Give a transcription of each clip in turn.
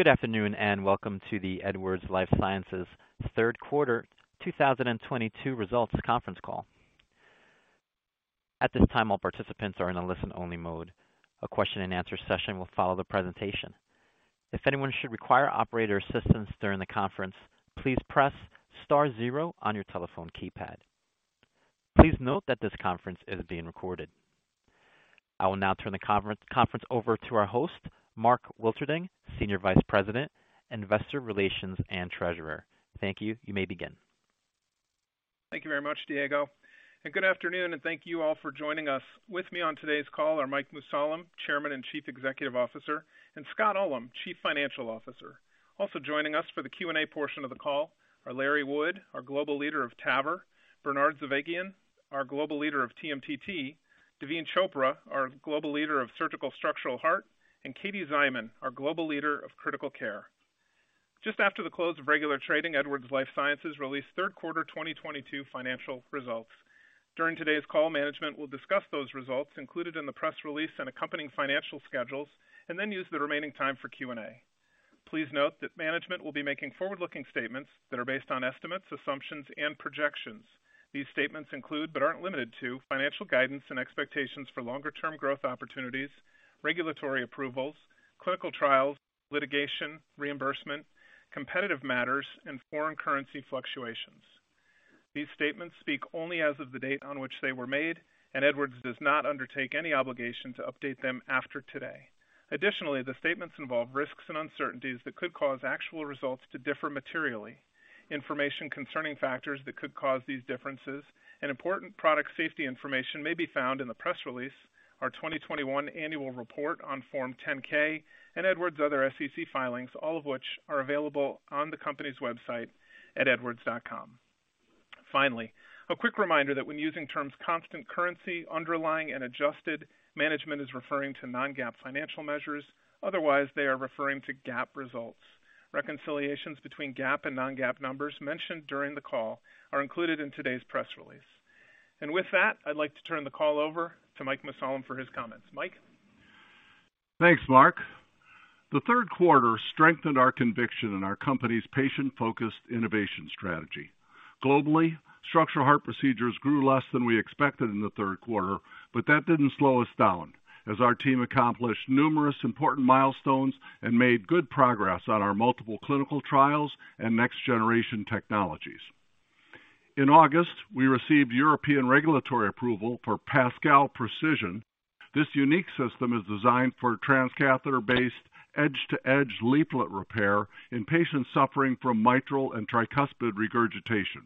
Good afternoon, and welcome to the Edwards Lifesciences Third Quarter 2022 Results Conference Call. At this time, all participants are in a listen-only mode. A question-and-answer session will follow the presentation. If anyone should require operator assistance during the conference, please press star zero on your telephone keypad. Please note that this conference is being recorded. I will now turn the conference over to our host, Mark Wilterding, Senior Vice President, Investor Relations and Treasurer. Thank you. You may begin. Thank you very much, Diego, and good afternoon, and thank you all for joining us. With me on today's call are Mike Mussallem, Chairman and Chief Executive Officer, and Scott Ullem, Chief Financial Officer. Also joining us for the Q&A portion of the call are Larry Wood, our Global Leader of TAVR, Bernard Zovighian, our Global Leader of TMTT, Daveen Chopra, our Global Leader of Surgical Structural Heart, and Katie Szyman, our Global Leader of Critical Care. Just after the close of regular trading, Edwards Lifesciences released third-quarter 2022 financial results. During today's call, management will discuss those results included in the press release and accompanying financial schedules, and then use the remaining time for Q&A. Please note that management will be making forward-looking statements that are based on estimates, assumptions, and projections. These statements include, but aren't limited to, financial guidance and expectations for longer-term growth opportunities, regulatory approvals, clinical trials, litigation, reimbursement, competitive matters, and foreign currency fluctuations. These statements speak only as of the date on which they were made, and Edwards does not undertake any obligation to update them after today. Additionally, the statements involve risks and uncertainties that could cause actual results to differ materially. Information concerning factors that could cause these differences and important product safety information may be found in the press release, our 2021 annual report on Form 10-K, and Edwards' other SEC filings, all of which are available on the company's website at edwards.com. Finally, a quick reminder that when using terms constant currency, underlying, and adjusted, management is referring to non-GAAP financial measures. Otherwise, they are referring to GAAP results. Reconciliations between GAAP and non-GAAP numbers mentioned during the call are included in today's press release. With that, I'd like to turn the call over to Mike Mussallem for his comments. Mike? Thanks, Mark. The third quarter strengthened our conviction in our company's patient-focused innovation strategy. Globally, structural heart procedures grew less than we expected in the third quarter, but that didn't slow us down as our team accomplished numerous important milestones and made good progress on our multiple clinical trials and next-generation technologies. In August, we received European regulatory approval for PASCAL Precision. This unique system is designed for transcatheter-based edge-to-edge leaflet repair in patients suffering from mitral and tricuspid regurgitation.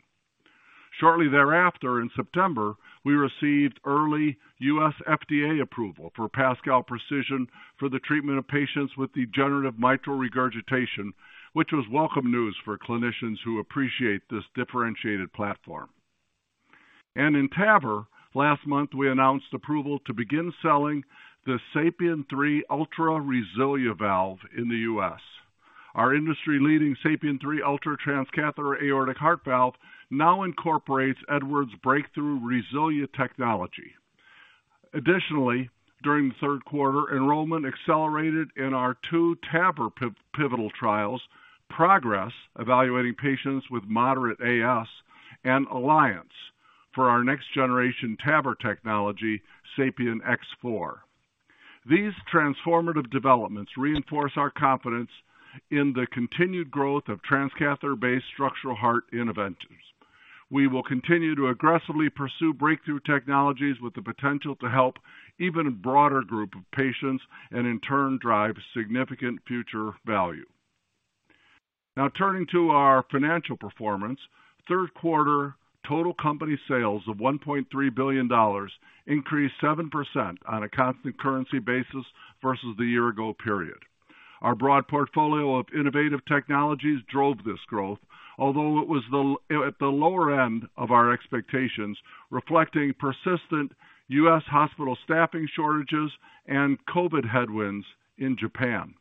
Shortly thereafter, in September, we received early U.S. FDA approval for PASCAL Precision for the treatment of patients with degenerative mitral regurgitation, which was welcome news for clinicians who appreciate this differentiated platform. In TAVR, last month, we announced approval to begin selling the SAPIEN 3 Ultra RESILIA valve in the U.S. Our industry-leading SAPIEN 3 Ultra transcatheter aortic heart valve now incorporates Edwards' breakthrough RESILIA technology. Additionally, during the third quarter, enrollment accelerated in our two TAVR pivotal trials, PROGRESS, evaluating patients with moderate AS, and ALLIANCE for our next-generation TAVR technology, SAPIEN X4. These transformative developments reinforce our confidence in the continued growth of transcatheter-based structural heart interventions. We will continue to aggressively pursue breakthrough technologies with the potential to help even a broader group of patients and in turn drive significant future value. Now turning to our financial performance. Third quarter total company sales of $1.3 billion increased 7% on a constant currency basis versus the year ago period. Our broad portfolio of innovative technologies drove this growth, although it was at the lower end of our expectations, reflecting persistent U.S. hospital staffing shortages and COVID headwinds in Japan.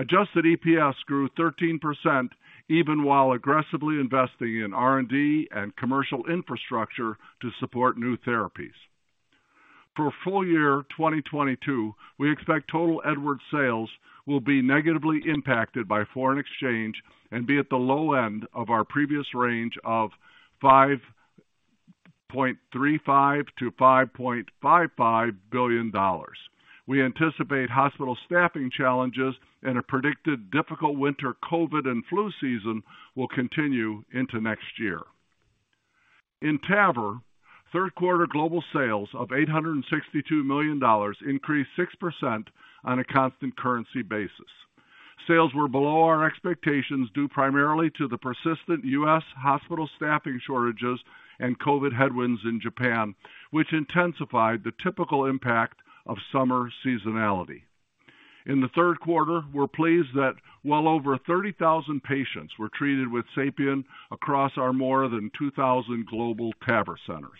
Adjusted EPS grew 13% even while aggressively investing in R&D and commercial infrastructure to support new therapies. For full year 2022, we expect total Edwards sales will be negatively impacted by foreign exchange and be at the low end of our previous range of $5.35 billion-$5.55 billion. We anticipate hospital staffing challenges, and a predicted difficult winter COVID and flu season will continue into next year. In TAVR, third-quarter global sales of $862 million increased 6% on a constant currency basis. Sales were below our expectations due primarily to the persistent U.S. hospital staffing shortages and COVID headwinds in Japan, which intensified the typical impact of summer seasonality. In the third quarter, we're pleased that well over 30,000 patients were treated with SAPIEN across our more than 2,000 global TAVR centers.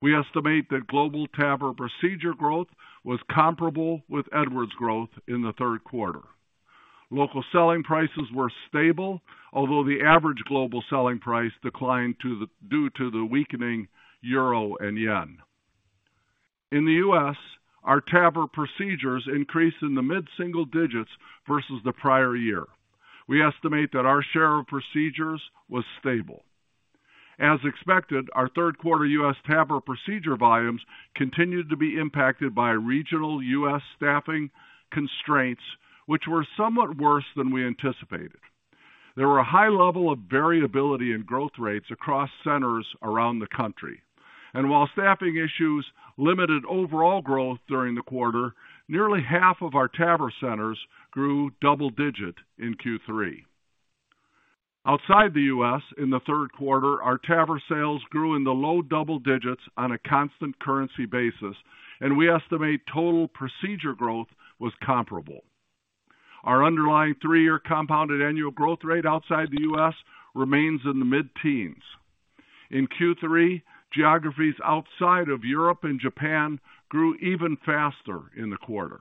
We estimate that global TAVR procedure growth was comparable with Edwards growth in the third quarter. Local selling prices were stable, although the average global selling price declined due to the weakening Euro and Yen. In the U.S., our TAVR procedures increased in the mid-single-digits versus the prior year. We estimate that our share of procedures was stable. As expected, our third-quarter U.S. TAVR procedure volumes continued to be impacted by regional U.S. staffing constraints, which were somewhat worse than we anticipated. There were a high level of variability in growth rates across centers around the country. While staffing issues limited overall growth during the quarter, nearly half of our TAVR centers grew double-digit in Q3. Outside the U.S. in the third quarter, our TAVR sales grew in the low double-digits on a constant currency basis, and we estimate total procedure growth was comparable. Our underlying three-year compounded annual growth rate outside the U.S. remains in the mid-teens. In Q3, geographies outside of Europe and Japan grew even faster in the quarter.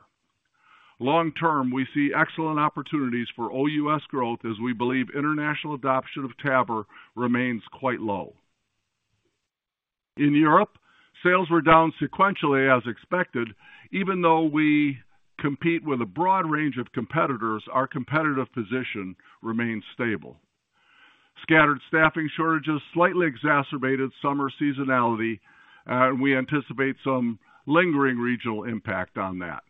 Long term, we see excellent opportunities for OUS growth as we believe international adoption of TAVR remains quite low. In Europe, sales were down sequentially as expected. Even though we compete with a broad range of competitors, our competitive position remains stable. Scattered staffing shortages slightly exacerbated summer seasonality, and we anticipate some lingering regional impact on that.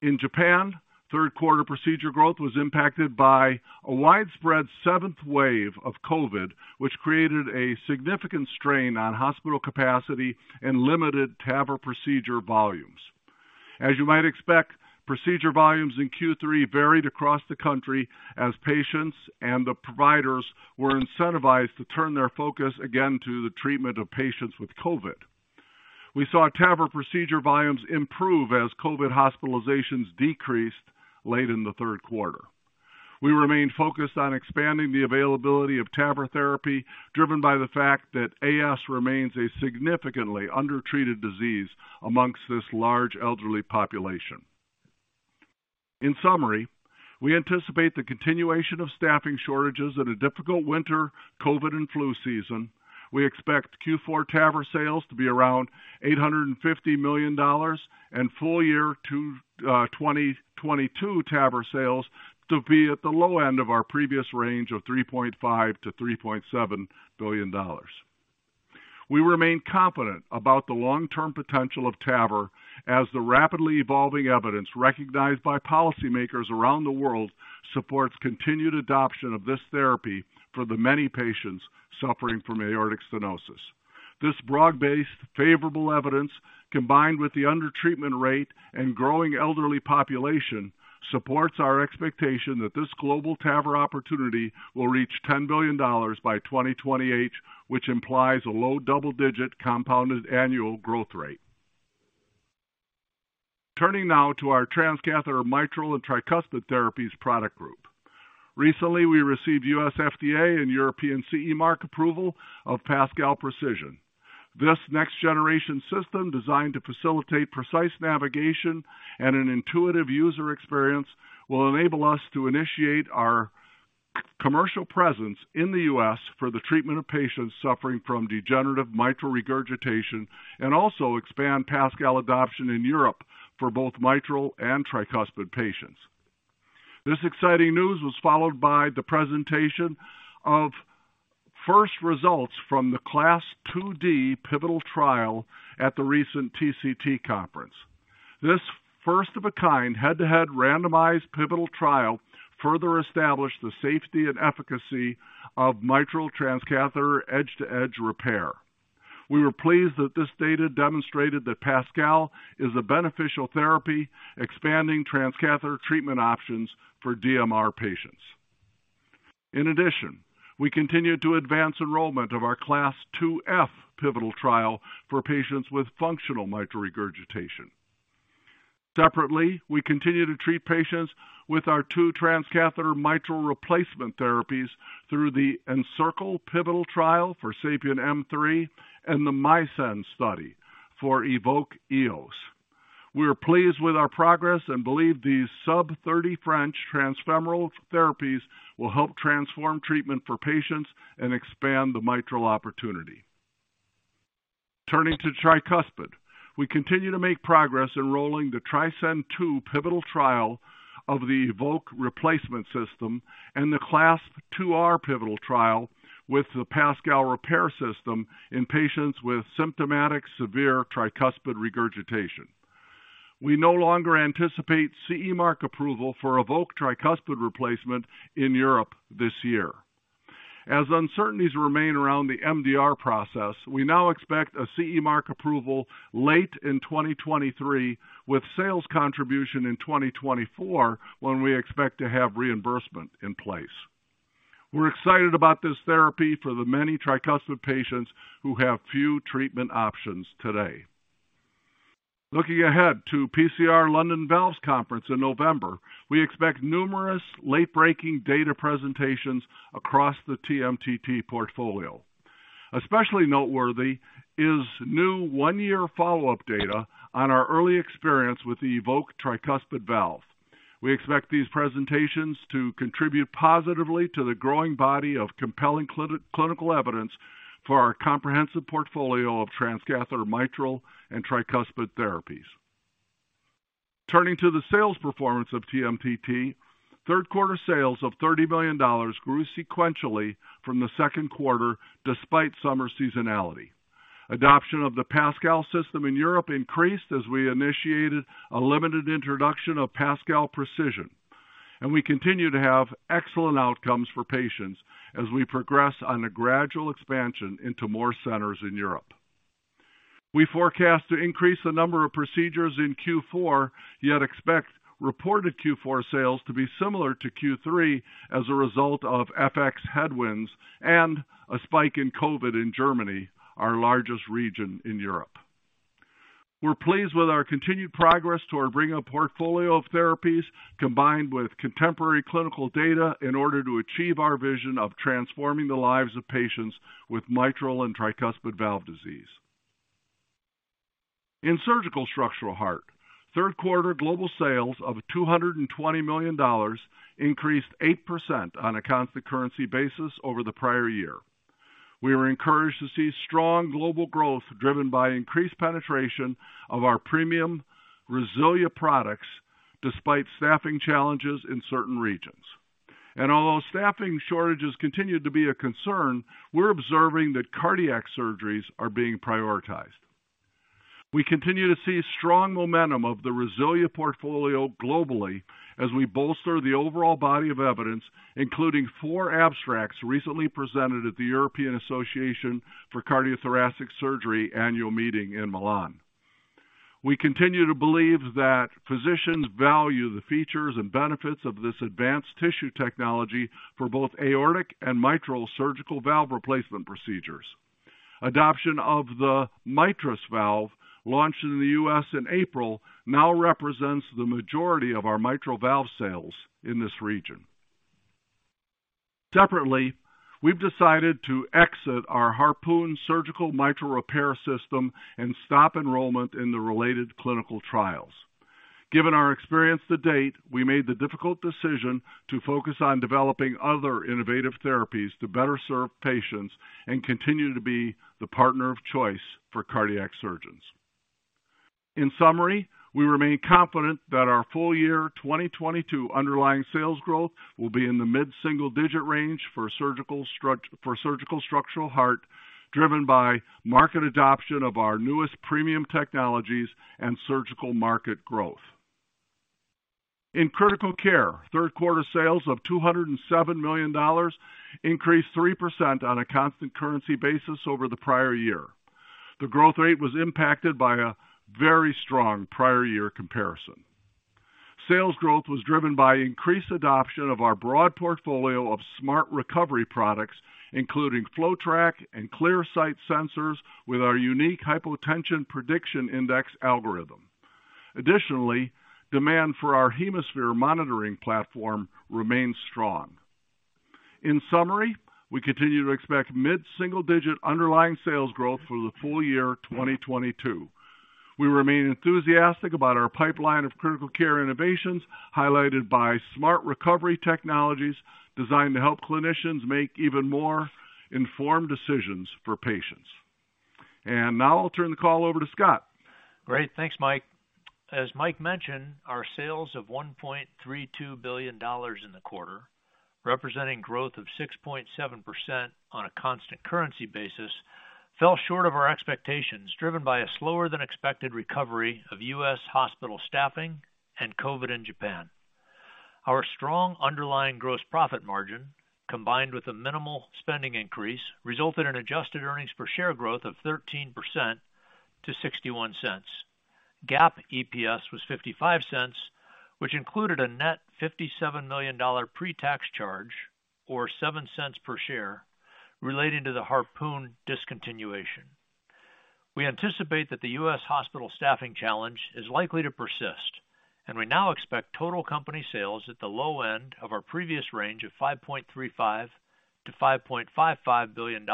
In Japan, third-quarter procedure growth was impacted by a widespread seventh wave of COVID, which created a significant strain on hospital capacity and limited TAVR procedure volumes. As you might expect, procedure volumes in Q3 varied across the country as patients and the providers were incentivized to turn their focus again to the treatment of patients with COVID. We saw TAVR procedure volumes improve as COVID hospitalizations decreased late in the third quarter. We remain focused on expanding the availability of TAVR therapy, driven by the fact that AS remains a significantly undertreated disease among this large elderly population. In summary, we anticipate the continuation of staffing shortages and a difficult winter COVID and flu season. We expect Q4 TAVR sales to be around $850 million and full-year 2022 TAVR sales to be at the low end of our previous range of $3.5 billion-$3.7 billion. We remain confident about the long-term potential of TAVR as the rapidly evolving evidence recognized by policymakers around the world supports continued adoption of this therapy for the many patients suffering from aortic stenosis. This broad-based favorable evidence, combined with the undertreatment rate and growing elderly population, supports our expectation that this global TAVR opportunity will reach $10 billion by 2028, which implies a low double-digit compounded annual growth rate. Turning now to our transcatheter mitral and tricuspid therapies product group. Recently, we received U.S. FDA and European CE mark approval of PASCAL Precision. This next-generation system designed to facilitate precise navigation and an intuitive user experience will enable us to initiate our commercial presence in the U.S. for the treatment of patients suffering from degenerative mitral regurgitation and also expand PASCAL adoption in Europe for both mitral and tricuspid patients. This exciting news was followed by the presentation of first results from the CLASP IID pivotal trial at the recent TCT conference. This first of a kind head-to-head randomized pivotal trial further established the safety and efficacy of mitral transcatheter edge-to-edge repair. We were pleased that this data demonstrated that PASCAL is a beneficial therapy expanding transcatheter treatment options for DMR patients. In addition, we continue to advance enrollment of our CLASP IIF pivotal trial for patients with functional mitral regurgitation. Separately, we continue to treat patients with our two transcatheter mitral replacement therapies through the ENCIRCLE pivotal trial for SAPIEN M3 and the MISCEND study for EVOQUE Eos. We are pleased with our progress and believe these sub-30 French transfemoral therapies will help transform treatment for patients and expand the mitral opportunity. Turning to tricuspid, we continue to make progress enrolling the TRISCEND II pivotal trial of the EVOQUE replacement system and the CLASP IIR pivotal trial with the PASCAL repair system in patients with symptomatic severe tricuspid regurgitation. We no longer anticipate CE mark approval for EVOQUE tricuspid replacement in Europe this year. As uncertainties remain around the MDR process, we now expect a CE mark approval late in 2023, with sales contribution in 2024, when we expect to have reimbursement in place. We're excited about this therapy for the many tricuspid patients who have few treatment options today. Looking ahead to PCR London Valves Conference in November, we expect numerous late-breaking data presentations across the TMTT portfolio. Especially noteworthy is new one-year follow-up data on our early experience with the EVOQUE tricuspid valve. We expect these presentations to contribute positively to the growing body of compelling clinical evidence for our comprehensive portfolio of transcatheter mitral and tricuspid therapies. Turning to the sales performance of TMTT, third-quarter sales of $30 million grew sequentially from the second quarter despite summer seasonality. Adoption of the PASCAL system in Europe increased as we initiated a limited introduction of PASCAL Precision, and we continue to have excellent outcomes for patients as we progress on a gradual expansion into more centers in Europe. We forecast to increase the number of procedures in Q4, yet expect reported Q4 sales to be similar to Q3 as a result of FX headwinds and a spike in COVID in Germany, our largest region in Europe. We're pleased with our continued progress to our growing portfolio of therapies combined with contemporary clinical data in order to achieve our vision of transforming the lives of patients with mitral and tricuspid valve disease. In surgical structural heart, third quarter global sales of $220 million increased 8% on a constant currency basis over the prior year. We were encouraged to see strong global growth driven by increased penetration of our premium RESILIA products despite staffing challenges in certain regions. Although staffing shortages continue to be a concern, we're observing that cardiac surgeries are being prioritized. We continue to see strong momentum of the RESILIA portfolio globally as we bolster the overall body of evidence, including four abstracts recently presented at the European Association for Cardio-Thoracic Surgery annual meeting in Milan. We continue to believe that physicians value the features and benefits of this advanced tissue technology for both aortic and mitral surgical valve replacement procedures. Adoption of the MITRIS valve, launched in the U.S. in April, now represents the majority of our mitral valve sales in this region. Separately, we've decided to exit our Harpoon surgical mitral repair system and stop enrollment in the related clinical trials. Given our experience to date, we made the difficult decision to focus on developing other innovative therapies to better serve patients and continue to be the partner of choice for cardiac surgeons. In summary, we remain confident that our full-year 2022 underlying sales growth will be in the mid-single-digit range for surgical structural heart, driven by market adoption of our newest premium technologies and surgical market growth. In critical care, third quarter sales of $207 million increased 3% on a constant currency basis over the prior year. The growth rate was impacted by a very strong prior year comparison. Sales growth was driven by increased adoption of our broad portfolio of smart recovery products, including FloTrac and ClearSight sensors with our unique Hypotension Prediction Index algorithm. Additionally, demand for our HemoSphere monitoring platform remains strong. In summary, we continue to expect mid-single-digit underlying sales growth for the full year 2022. We remain enthusiastic about our pipeline of critical care innovations highlighted by smart recovery technologies designed to help clinicians make even more informed decisions for patients. Now I'll turn the call over to Scott. Great. Thanks, Mike. As Mike mentioned, our sales of $1.32 billion in the quarter, representing growth of 6.7% on a constant currency basis, fell short of our expectations, driven by a slower than expected recovery of U.S. hospital staffing and COVID in Japan. Our strong underlying gross profit margin, combined with a minimal spending increase, resulted in adjusted earnings per share growth of 13% to $0.61. GAAP EPS was $0.55, which included a net $57 million pre-tax charge or $0.07 per share relating to the Harpoon discontinuation. We anticipate that the U.S. hospital staffing challenge is likely to persist, and we now expect total company sales at the low end of our previous range of $5.35 billion-$5.55 billion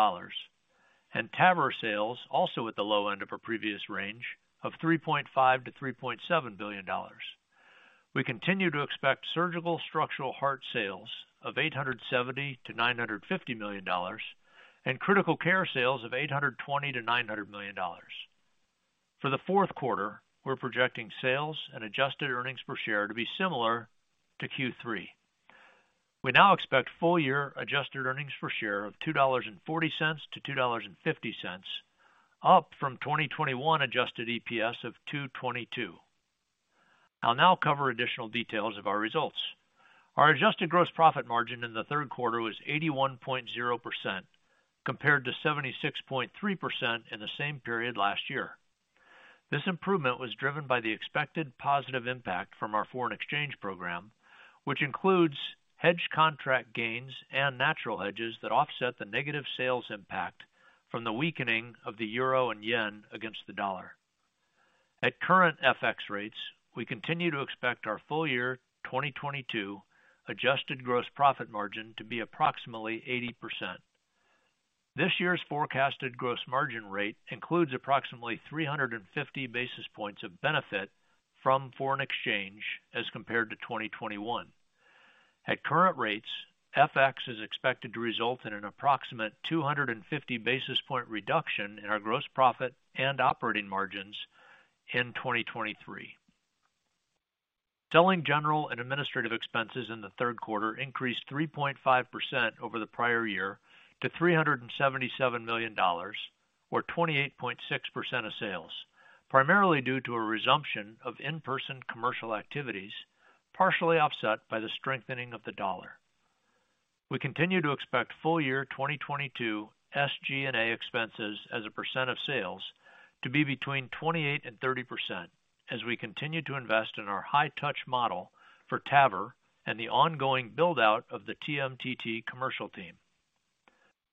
and TAVR sales also at the low end of our previous range of $3.5 billion-$3.7 billion. We continue to expect surgical structural heart sales of $870 million-$950 million and critical care sales of $820 million-$900 million. For the fourth quarter, we're projecting sales and adjusted earnings per share to be similar to Q3. We now expect full-year adjusted earnings per share of $2.40-$2.50, up from 2021 adjusted EPS of $2.22. I'll now cover additional details of our results. Our adjusted gross profit margin in the third quarter was 81.0% compared to 76.3% in the same period last year. This improvement was driven by the expected positive impact from our foreign exchange program, which includes hedge contract gains and natural hedges that offset the negative sales impact from the weakening of the Euro and Yen against the dollar. At current FX rates, we continue to expect our full-year 2022 adjusted gross profit margin to be approximately 80%. This year's forecasted gross margin rate includes approximately 350 basis points of benefit from foreign exchange as compared to 2021. At current rates, FX is expected to result in an approximate 250 basis points reduction in our gross profit and operating margins in 2023. Selling, general, and administrative expenses in the third quarter increased 3.5% over the prior year to $377 million, or 28.6% of sales, primarily due to a resumption of in-person commercial activities, partially offset by the strengthening of the dollar. We continue to expect full year 2022 SG&A expenses as a percent of sales to be between 28% and 30% as we continue to invest in our high-touch model for TAVR and the ongoing build-out of the TMTT commercial team.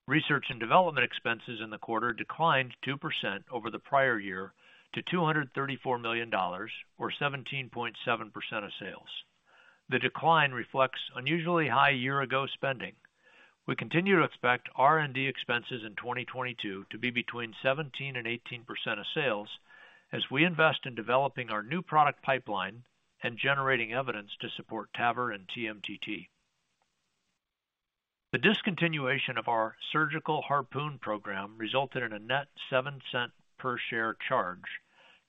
Research and development expenses in the quarter declined 2% over the prior year to $234 million, or 17.7% of sales. The decline reflects unusually high year-ago spending. We continue to expect R&D expenses in 2022 to be between 17% and 18% of sales as we invest in developing our new product pipeline and generating evidence to support TAVR and TMTT. The discontinuation of our surgical Harpoon program resulted in a net $0.07 per share charge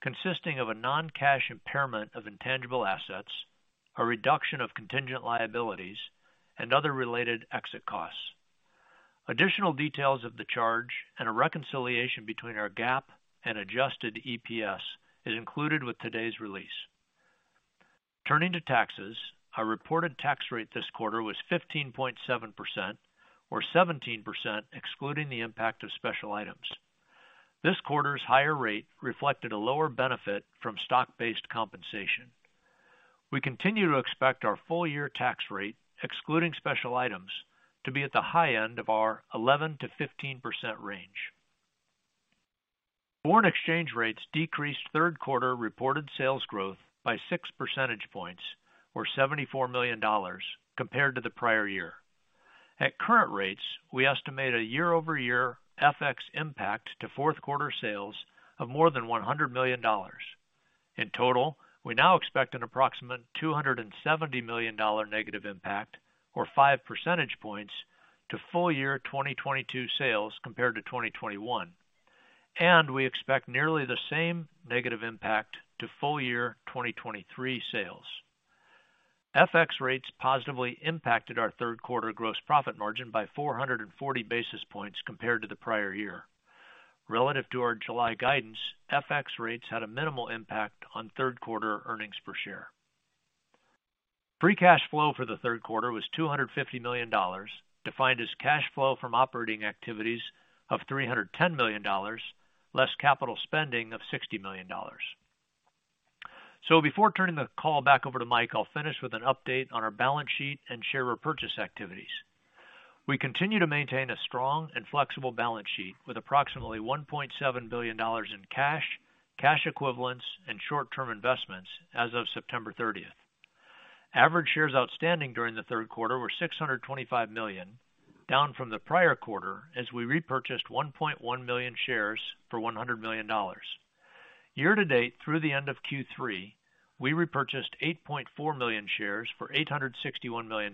consisting of a non-cash impairment of intangible assets, a reduction of contingent liabilities, and other related exit costs. Additional details of the charge and a reconciliation between our GAAP and adjusted EPS is included with today's release. Turning to taxes, our reported tax rate this quarter was 15.7% or 17% excluding the impact of special items. This quarter's higher rate reflected a lower benefit from stock-based compensation. We continue to expect our full-year tax rate, excluding special items, to be at the high end of our 11%-15% range. Foreign exchange rates decreased third-quarter reported sales growth by 6 percentage points, or $74 million compared to the prior year. At current rates, we estimate a year-over-year FX impact to fourth quarter sales of more than $100 million. In total, we now expect an approximate $270 million negative impact, or 5 percentage points to full-year 2022 sales compared to 2021. We expect nearly the same negative impact to full year 2023 sales. FX rates positively impacted our third quarter gross profit margin by 440 basis points compared to the prior year. Relative to our July guidance, FX rates had a minimal impact on third-quarter earnings per share. Free cash flow for the third quarter was $250 million, defined as cash flow from operating activities of $310 million, less capital spending of $60 million. Before turning the call back over to Mike, I'll finish with an update on our balance sheet and share repurchase activities. We continue to maintain a strong and flexible balance sheet with approximately $1.7 billion in cash equivalents and short-term investments as of September thirtieth. Average shares outstanding during the third quarter were 625 million, down from the prior quarter as we repurchased 1.1 million shares for $100 million. Year-to-date, through the end of Q3, we repurchased 8.4 million shares for $861 million.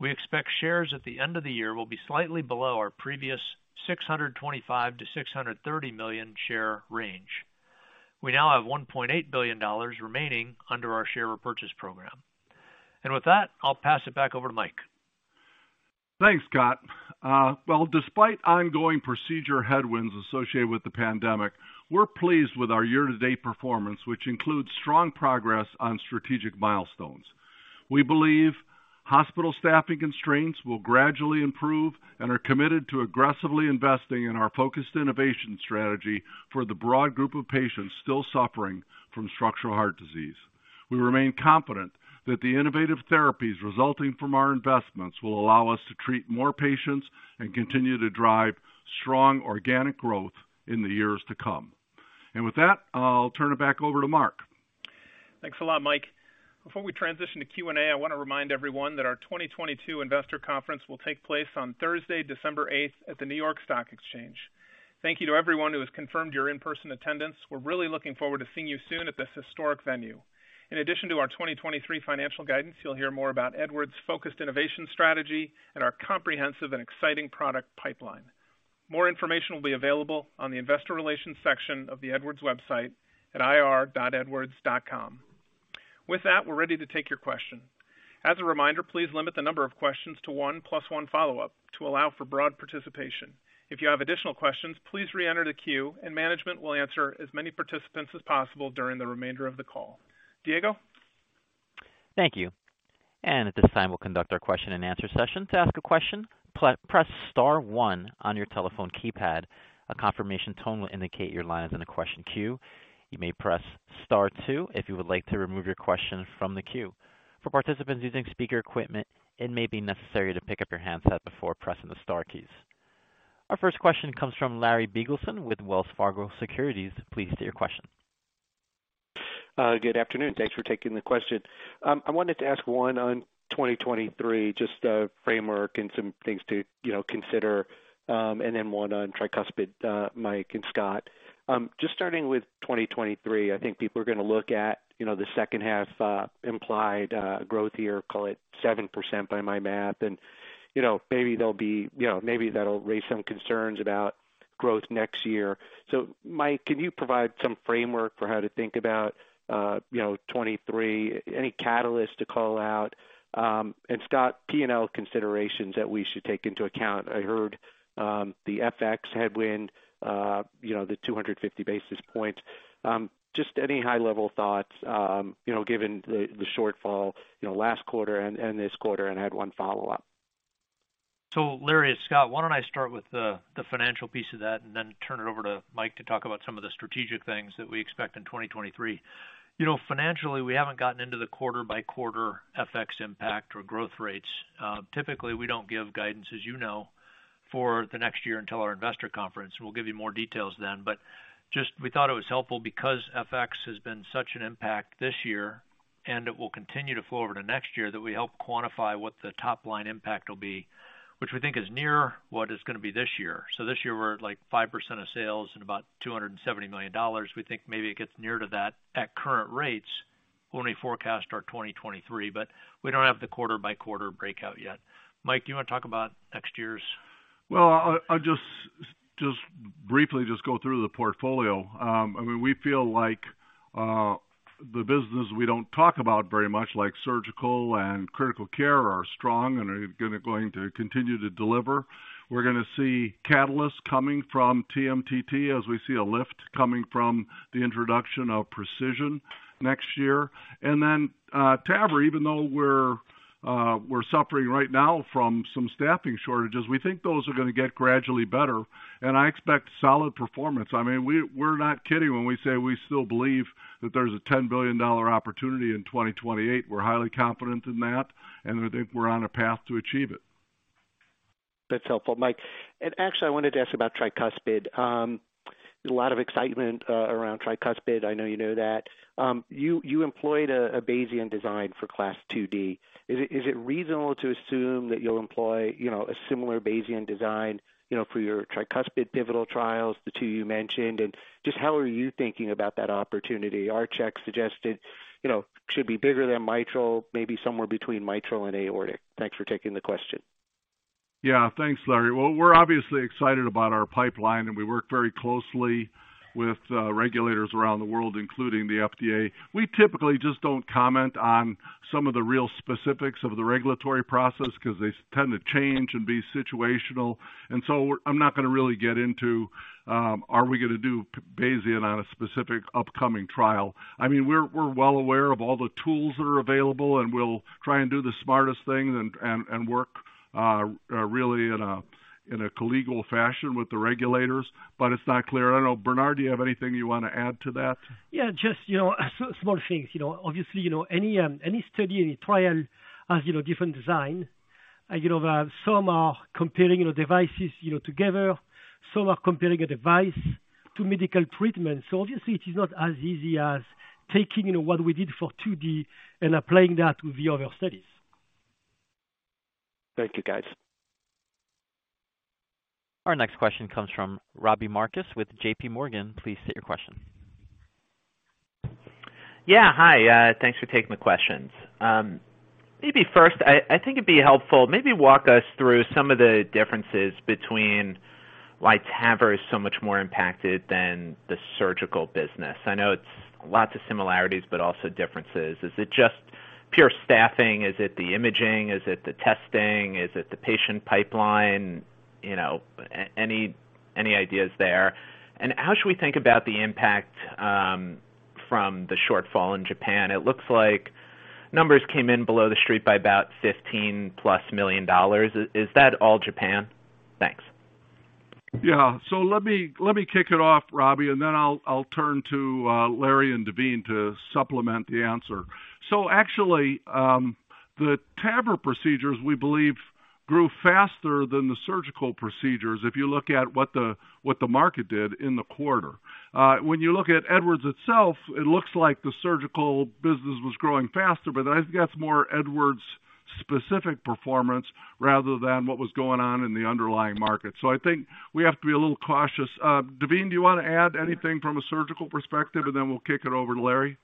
We expect shares at the end of the year will be slightly below our previous 625 million-630 million share range. We now have $1.8 billion remaining under our share repurchase program. With that, I'll pass it back over to Mike. Thanks, Scott. Despite ongoing procedure headwinds associated with the pandemic, we're pleased with our year-to-date performance, which includes strong progress on strategic milestones. We believe hospital staffing constraints will gradually improve and are committed to aggressively investing in our focused innovation strategy for the broad group of patients still suffering from structural heart disease. We remain confident that the innovative therapies resulting from our investments will allow us to treat more patients and continue to drive strong organic growth in the years to come. With that, I'll turn it back over to Mark. Thanks a lot, Mike. Before we transition to Q&A, I want to remind everyone that our 2022 Investor Conference will take place on Thursday, December eighth, at the New York Stock Exchange. Thank you to everyone who has confirmed your in-person attendance. We're really looking forward to seeing you soon at this historic venue. In addition to our 2023 financial guidance, you'll hear more about Edwards' focused innovation strategy and our comprehensive and exciting product pipeline. More information will be available on the Investor Relations section of the Edwards website at ir.edwards.com. With that, we're ready to take your question. As a reminder, please limit the number of questions to one plus one follow-up to allow for broad participation. If you have additional questions, please re-enter the queue and management will answer as many participants as possible during the remainder of the call. Diego? Thank you. At this time, we'll conduct our question-and-answer session. To ask a question, please press star one on your telephone keypad. A confirmation tone will indicate your line is in the question queue. You may press star two if you would like to remove your question from the queue. For participants using speaker equipment, it may be necessary to pick up your handset before pressing the star keys. Our first question comes from Larry Biegelsen with Wells Fargo Securities. Please state your question. Good afternoon. Thanks for taking the question. I wanted to ask one on 2023, just a framework and some things to, you know, consider, and then one on tricuspid, Mike and Scott. Just starting with 2023, I think people are gonna look at, you know, the second half, implied, growth year, call it 7% by my math. You know, maybe they'll be, you know, maybe that'll raise some concerns about growth next year. Mike, can you provide some framework for how to think about, you know, 2023, any catalysts to call out? And Scott, P&L considerations that we should take into account. I heard, the FX headwind, you know, the 250 basis points. Just any high-level thoughts, you know, given the shortfall last quarter and this quarter, and I had one follow-up. Larry, it's Scott. Why don't I start with the financial piece of that and then turn it over to Mike to talk about some of the strategic things that we expect in 2023. You know, financially, we haven't gotten into the quarter-by-quarter FX impact or growth rates. Typically, we don't give guidance, as you know, for the next year until our investor conference. We'll give you more details then. Just we thought it was helpful because FX has been such an impact this year, and it will continue to flow over to next year that we help quantify what the top line impact will be, which we think is near what it's gonna be this year. This year, we're at, like, 5% of sales and about $270 million. We think maybe it gets near to that at current rates when we forecast our 2023, but we don't have the quarter-by-quarter breakout yet. Mike, do you wanna talk about next year's? I'll just briefly go through the portfolio. I mean, we feel like the business we don't talk about very much, like surgical and critical care, are strong and are going to continue to deliver. We're gonna see catalysts coming from TMTT as we see a lift coming from the introduction of PASCAL Precision next year. TAVR, even though we're suffering right now from some staffing shortages, we think those are gonna get gradually better, and I expect solid performance. I mean, we're not kidding when we say we still believe that there's a $10 billion opportunity in 2028. We're highly confident in that, and I think we're on a path to achieve it. That's helpful, Mike. Actually, I wanted to ask about tricuspid. There's a lot of excitement around tricuspid. I know you know that. You employed a Bayesian design for CLASP IID. Is it reasonable to assume that you'll employ a similar Bayesian design for your tricuspid pivotal trials, the two you mentioned? Just how are you thinking about that opportunity? Our check suggested should be bigger than mitral, maybe somewhere between mitral and aortic. Thanks for taking the question. Yeah. Thanks, Larry. Well, we're obviously excited about our pipeline, and we work very closely with regulators around the world, including the FDA. We typically just don't comment on some of the real specifics of the regulatory process 'cause they tend to change and be situational. I'm not gonna really get into are we gonna do Bayesian on a specific upcoming trial. I mean, we're well aware of all the tools that are available, and we'll try and do the smartest thing and work really in a collegial fashion with the regulators. But it's not clear. I don't know. Bernard, do you have anything you wanna add to that? Yeah, just, you know, small things. You know, obviously, you know, any study, any trial has, you know, different design. You know, some are comparing, you know, devices, you know, together. Some are comparing a device to medical treatment. Obviously, it is not as easy as taking, you know, what we did for 2D and applying that to the other studies. Thank you, guys. Our next question comes from Robbie Marcus with JPMorgan. Please state your question. Yeah. Hi. Thanks for taking the questions. Maybe first, I think it'd be helpful, maybe walk us through some of the differences between why TAVR is so much more impacted than the surgical business. I know it's lots of similarities, but also differences. Is it just pure staffing? Is it the imaging? Is it the testing? Is it the patient pipeline? You know, any ideas there? How should we think about the impact from the shortfall in Japan? It looks like numbers came in below The Street by about $15+ million. Is that all Japan? Thanks. Let me kick it off, Robbie, and then I'll turn to Larry and Daveen to supplement the answer. Actually, the TAVR procedures, we believe, grew faster than the surgical procedures if you look at what the market did in the quarter. When you look at Edwards itself, it looks like the surgical business was growing faster, but I think that's more Edwards' specific performance rather than what was going on in the underlying market. I think we have to be a little cautious. Daveen, do you wanna add anything from a surgical perspective, and then we'll kick it over to Larry?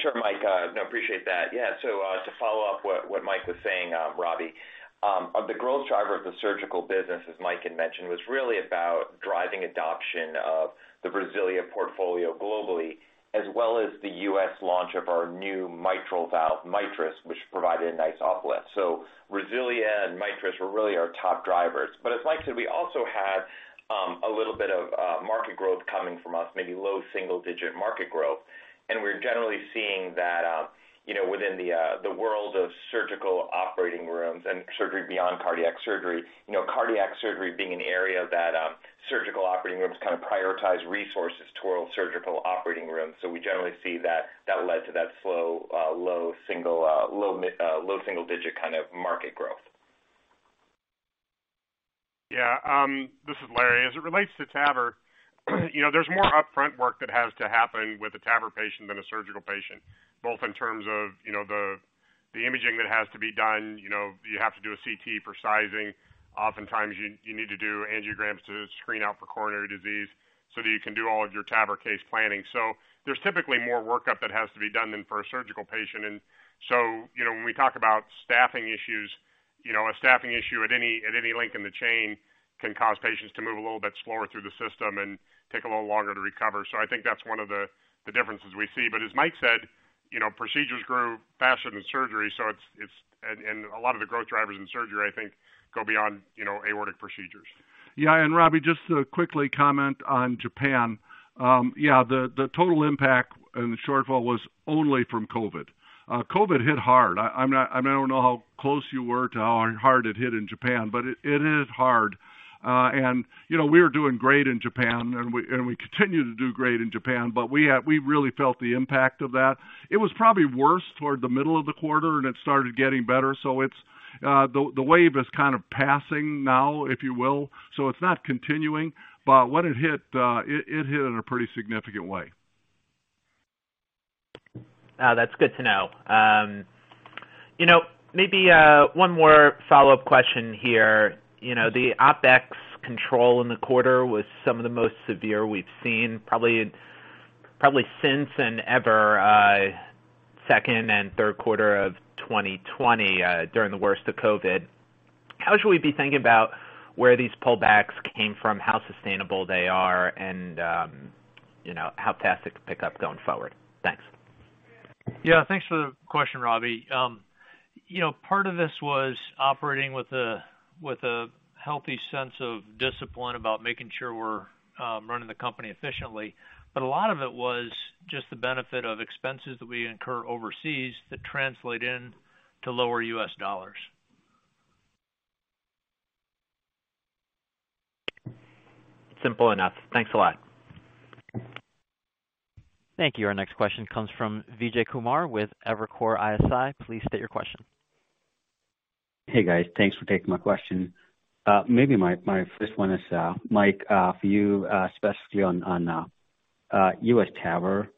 Sure, Mike. Appreciate that. To follow up what Mike was saying, Robbie, the growth driver of the surgical business, as Mike had mentioned, was really about driving adoption of the RESILIA portfolio globally, as well as the U.S. launch of our new mitral valve, MITRIS, which provided a nice uplift. RESILIA and MITRIS were really our top drivers. As Mike said, we also had a little bit of market growth coming from us, maybe low-single-digit market growth. We're generally seeing that, you know, within the world of surgical operating rooms and surgery beyond cardiac surgery, you know, cardiac surgery being an area that surgical operating rooms kind of prioritize resources toward surgical operating rooms. We generally see that led to that slow, low-single-digit kind of market growth. Yeah. This is Larry. As it relates to TAVR, you know, there's more upfront work that has to happen with a TAVR patient than a surgical patient, both in terms of, you know, the imaging that has to be done. You know, you have to do a CT for sizing. Oftentimes you need to do angiograms to screen out for coronary disease so that you can do all of your TAVR case planning. So there's typically more workup that has to be done than for a surgical patient. You know, when we talk about staffing issues, you know, a staffing issue at any link in the chain can cause patients to move a little bit slower through the system and take a little longer to recover. So I think that's one of the differences we see. As Mike said, you know, procedures grew faster than surgery. A lot of the growth drivers in surgery, I think, go beyond, you know, aortic procedures. Yeah. Robbie, just to quickly comment on Japan. Yeah, the total impact and the shortfall was only from COVID. COVID hit hard. I don't know how close you were to how hard it hit in Japan, but it hit hard. You know, we were doing great in Japan, and we continue to do great in Japan, but we really felt the impact of that. It was probably worse toward the middle of the quarter, and it started getting better. It's the wave is kind of passing now, if you will, so it's not continuing. When it hit, it hit in a pretty significant way. That's good to know. You know, maybe one more follow-up question here. You know, the OpEx control in the quarter was some of the most severe we've seen probably since ever, second and third quarter of 2020, during the worst of COVID. How should we be thinking about where these pullbacks came from, how sustainable they are, and, you know, how fast it could pick up going forward? Thanks. Yeah. Thanks for the question, Robbie. You know, part of this was operating with a healthy sense of discipline about making sure we're running the company efficiently. A lot of it was just the benefit of expenses that we incur overseas that translate into lower U.S. dollars. Simple enough. Thanks a lot. Thank you. Our next question comes from Vijay Kumar with Evercore ISI. Please state your question. Hey, guys. Thanks for taking my question. Maybe my first one is, Mike, for you, specifically on US TAVR.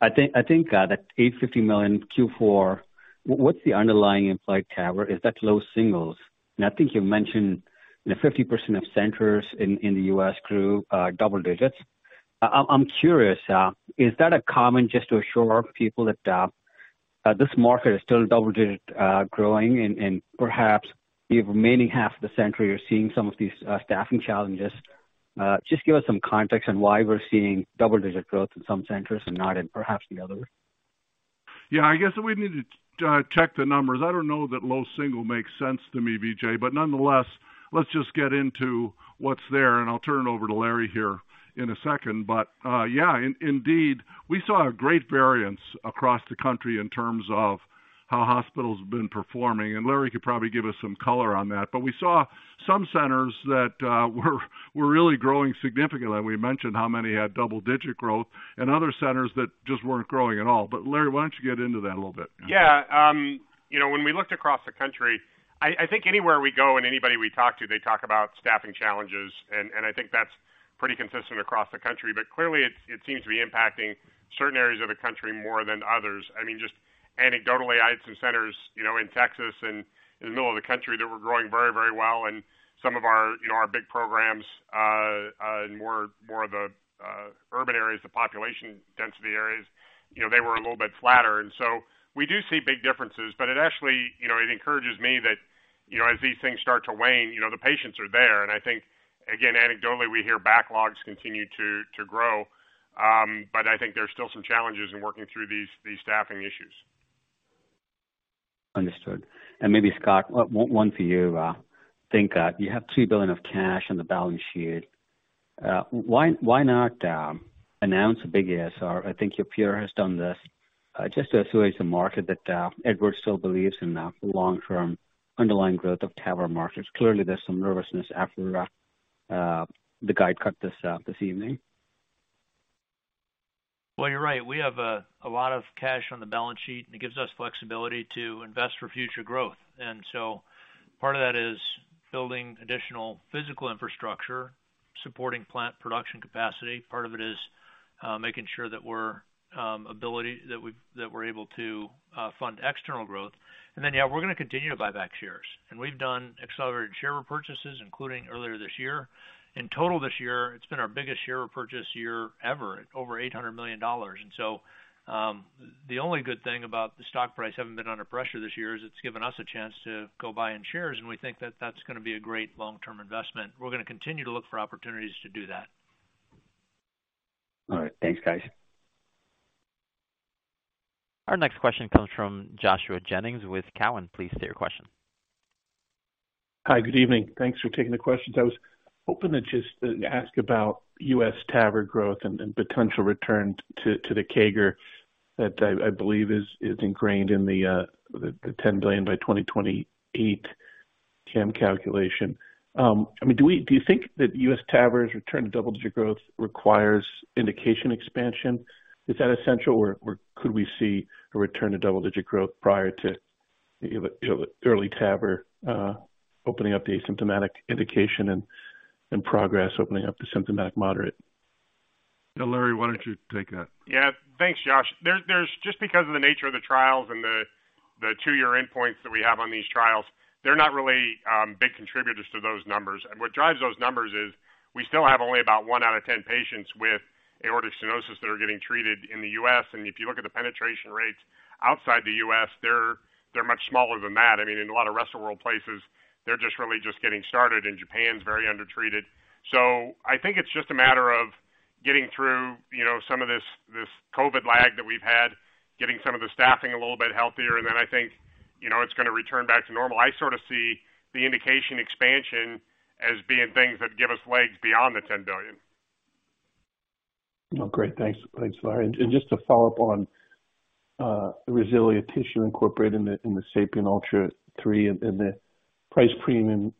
I think that $850 million Q4, what's the underlying implied TAVR if that's low singles? I think you mentioned that 50% of centers in the U.S. Grew double-digits. I'm curious, is that common just to assure people that this market is still double-digit growing and perhaps the remaining half of the centers you're seeing some of these staffing challenges? Just give us some context on why we're seeing double-digit growth in some centers and not in perhaps the others. Yeah, I guess we need to check the numbers. I don't know that low-single makes sense to me, Vijay, but nonetheless, let's just get into what's there, and I'll turn it over to Larry here in a second. Indeed, we saw a great variance across the country in terms of how hospitals have been performing, and Larry could probably give us some color on that. We saw some centers that were really growing significantly. We mentioned how many had double-digit growth and other centers that just weren't growing at all. Larry, why don't you get into that a little bit? Yeah. You know, when we looked across the country, I think anywhere we go and anybody we talk to, they talk about staffing challenges, and I think that's pretty consistent across the country. Clearly, it seems to be impacting certain areas of the country more than others. I mean, just anecdotally, I had some centers, you know, in Texas and in the middle of the country that were growing very well. Some of our, you know, our big programs in more of the urban areas, the population density areas, you know, they were a little bit flatter. We do see big differences. It actually, you know, it encourages me that, you know, as these things start to wane, you know, the patients are there. I think, again, anecdotally, we hear backlogs continue to grow. I think there's still some challenges in working through these staffing issues. Understood. Maybe, Scott, one for you. I think you have $3 billion of cash on the balance sheet. Why not announce a big ASR? I think your peer has done this just to assure the market that Edwards still believes in the long-term underlying growth of TAVR markets. Clearly, there's some nervousness after the guidance cut this evening. Well, you're right. We have a lot of cash on the balance sheet, and it gives us flexibility to invest for future growth. Part of that is building additional physical infrastructure, supporting plant production capacity. Part of it is making sure that we're able to fund external growth. Yeah, we're gonna continue to buy back shares. We've done accelerated share repurchases, including earlier this year. In total this year, it's been our biggest share repurchase year ever, over $800 million. The only good thing about the stock price having been under pressure this year is it's given us a chance to go buy in shares, and we think that that's gonna be a great long-term investment. We're gonna continue to look for opportunities to do that. All right. Thanks, guys. Our next question comes from Joshua Jennings with Cowen. Please state your question. Hi. Good evening. Thanks for taking the questions. I was hoping to just ask about U.S. TAVR growth and potential return to the CAGR that I believe is ingrained in the $10 billion by 2028 TAM calculation. I mean, do you think that U.S. TAVR's return to double-digit growth requires indication expansion? Is that essential, or could we see a return to double-digit growth prior to-- you have an early TAVR opening up the asymptomatic indication and PROGRESS opening up the symptomatic moderate. Yeah. Larry, why don't you take that? Yeah. Thanks, Josh. There's just because of the nature of the trials and the two-year endpoints that we have on these trials, they're not really big contributors to those numbers. What drives those numbers is we still have only about one out of ten patients with aortic stenosis that are getting treated in the U.S. If you look at the penetration rates outside the U.S., they're much smaller than that. I mean, in a lot of rest of world places, they're just really getting started, and Japan's very undertreated. I think it's just a matter of getting through, you know, some of this COVID lag that we've had, getting some of the staffing a little bit healthier. Then I think, you know, it's gonna return back to normal. I sort of see the indication expansion as being things that give us legs beyond the $10 billion. Oh, great. Thanks. Thanks, Larry. Just to follow up on the RESILIA tissue incorporated in the SAPIEN 3 Ultra and the price premium.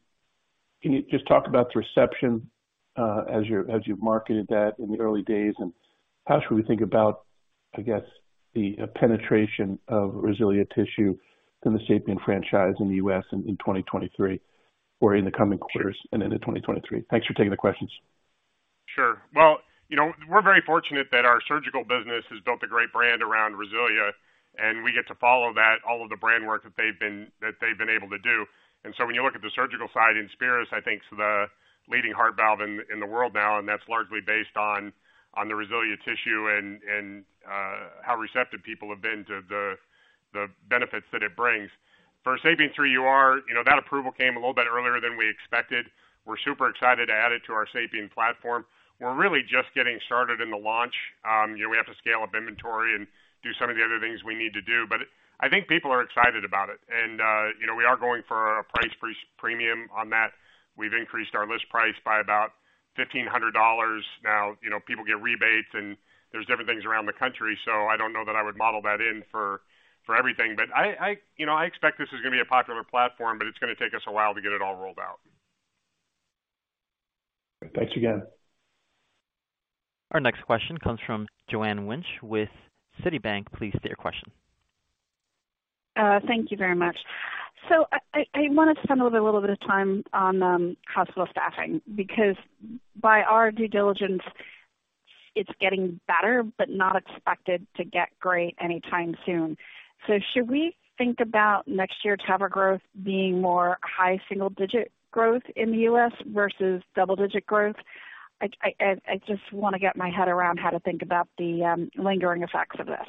Can you just talk about the reception as you've marketed that in the early days, and how should we think about, I guess, the penetration of RESILIA tissue in the SAPIEN franchise in the US in 2023 or in the coming quarters and into 2023? Thanks for taking the questions. Sure. Well, you know, we're very fortunate that our surgical business has built a great brand around RESILIA, and we get to follow that all of the brand work that they've been able to do. When you look at the surgical side in INSPIRIS, I think it's the leading heart valve in the world now, and that's largely based on the RESILIA tissue and how receptive people have been to the benefits that it brings. For SAPIEN 3 UR, you know, that approval came a little bit earlier than we expected. We're super excited to add it to our SAPIEN platform. We're really just getting started in the launch. You know, we have to scale up inventory and do some of the other things we need to do, but I think people are excited about it. You know, we are going for a price premium on that. We've increased our list price by about $1,500 now. You know, people get rebates, and there's different things around the country. I don't know that I would model that in for everything. You know, I expect this is going to be a popular platform, but it's going to take us a while to get it all rolled out. Thanks again. Our next question comes from Joanne Wuensch with Citibank. Please state your question. Thank you very much. I wanted to spend a little bit of time on hospital staffing, because by our due diligence, it's getting better, but not expected to get great anytime soon. Should we think about next year TAVR growth being more high single-digit growth in the U.S. versus double-digit growth? I just wanna get my head around how to think about the lingering effects of this.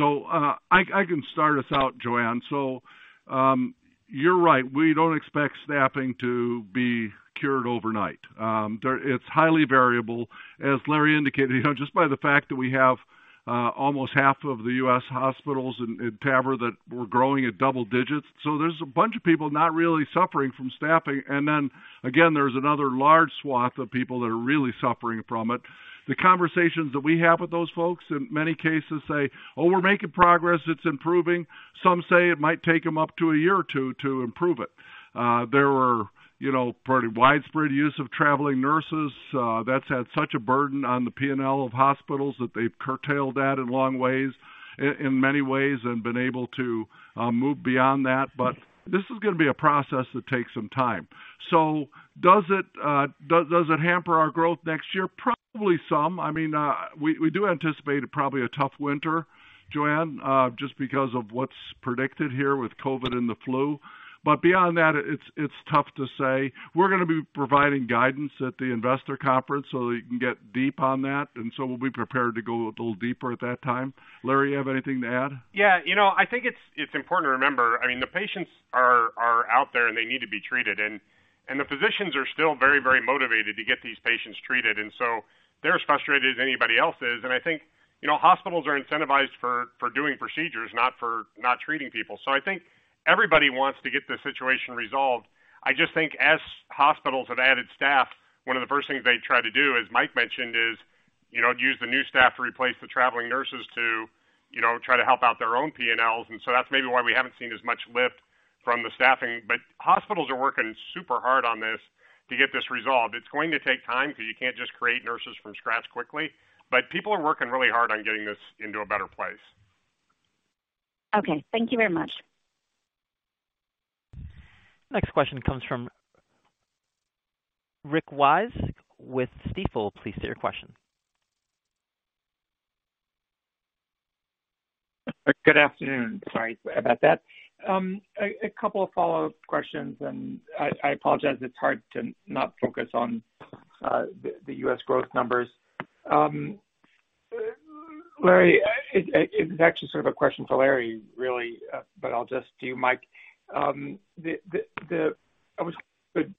I can start us out, Joanne. You're right. We don't expect staffing to be cured overnight. It's highly variable, as Larry indicated, you know, just by the fact that we have almost half of the U.S. hospitals in TAVR that were growing at double-digits. There's a bunch of people not really suffering from staffing. Then again, there's another large swath of people that are really suffering from it. The conversations that we have with those folks in many cases say, "Oh, we're making progress. It's improving." Some say it might take them up to a year or two to improve it. There were, you know, pretty widespread use of traveling nurses, that's had such a burden on the P&L of hospitals that they've curtailed that in many ways and been able to move beyond that. This is gonna be a process that takes some time. Does it hamper our growth next year? Probably some. I mean, we do anticipate probably a tough winter, Joanne, just because of what's predicted here with COVID and the flu. Beyond that, it's tough to say. We're gonna be providing guidance at the Investor Conference so that we can get deep on that, and we'll be prepared to go a little deeper at that time. Larry, you have anything to add? Yeah. You know, I think it's important to remember, I mean, the patients are out there, and they need to be treated. The physicians are still very, very motivated to get these patients treated, and so they're as frustrated as anybody else is. I think, you know, hospitals are incentivized for doing procedures, not for not treating people. I think everybody wants to get the situation resolved. I just think as hospitals have added staff, one of the first things they try to do, as Mike mentioned, is, you know, use the new staff to replace the traveling nurses to, you know, try to help out their own P&Ls. That's maybe why we haven't seen as much lift from the staffing. Hospitals are working super hard on this to get this resolved. It's going to take time because you can't just create nurses from scratch quickly, but people are working really hard on getting this into a better place. Okay. Thank you very much. Next question comes from Rick Wise with Stifel. Please state your question. Good afternoon. Sorry about that. A couple of follow-up questions, and I apologize it's hard to not focus on the U.S. growth numbers. Larry. It's actually sort of a question for Larry, really, but I'll just do Mike. I was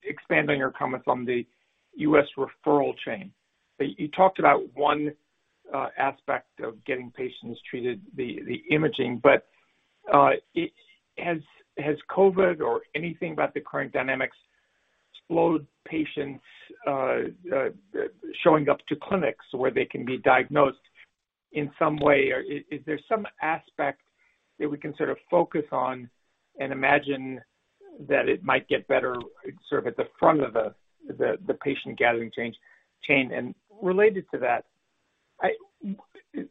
expanding your comments on the U.S. referral chain. You talked about one aspect of getting patients treated, the imaging. Has COVID or anything about the current dynamics slowed patients showing up to clinics where they can be diagnosed in some way? Or is there some aspect that we can sort of focus on and imagine that it might get better sort of at the front of the patient gathering chain. Related to that, I--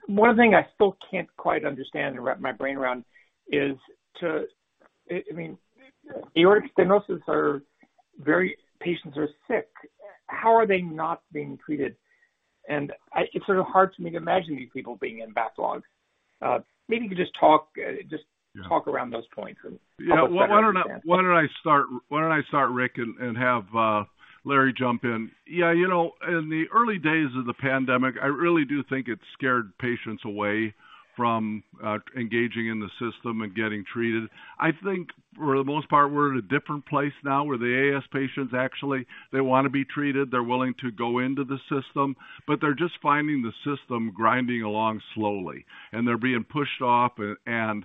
One thing I still can't quite understand or wrap my brain around is. I mean, aortic stenosis patients are very sick. How are they not being treated? It's sort of hard to imagine these people being in backlog. Maybe you could just talk around those points. Yeah. Why don't I start, Rick, and have Larry jump in. Yeah, you know, in the early days of the pandemic, I really do think it scared patients away from engaging in the system and getting treated. I think for the most part, we're in a different place now where the AS patients actually, they wanna be treated, they're willing to go into the system, but they're just finding the system grinding along slowly, and they're being pushed off and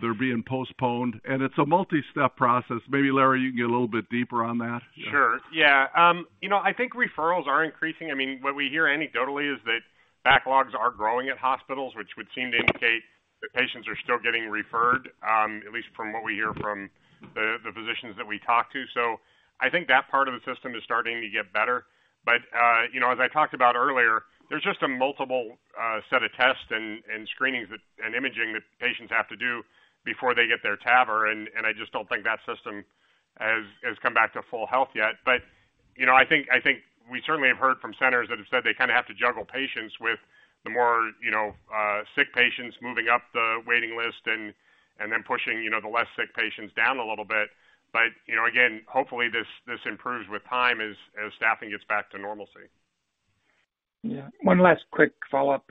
they're being postponed. It's a multi-step process. Maybe, Larry, you can get a little bit deeper on that. Sure. Yeah. You know, I think referrals are increasing. I mean, what we hear anecdotally is that backlogs are growing at hospitals, which would seem to indicate that patients are still getting referred, at least from what we hear from the physicians that we talk to. I think that part of the system is starting to get better. You know, as I talked about earlier, there's just a multiple set of tests and screenings and imaging that patients have to do before they get their TAVR, and I just don't think that system has come back to full health yet. You know, I think we certainly have heard from centers that have said they kind of have to juggle patients with the more, you know, sick patients moving up the waiting list and then pushing, you know, the less sick patients down a little bit. You know, again, hopefully this improves with time as staffing gets back to normalcy. Yeah. One last quick follow-up.